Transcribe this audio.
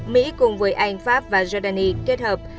mỹ cùng với anh pháp và jordan kết hợp